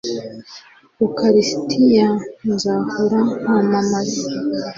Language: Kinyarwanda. ukaristiya, nzahora nkwamamaza